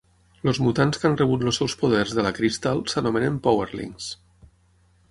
Els mutants que han rebut els seus poders de la Crystal s'anomenen powerlings.